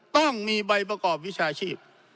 ต้องมีใบประกอบวิชาชีพ